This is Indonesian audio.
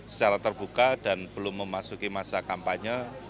secara terbuka dan belum memasuki masa kampanye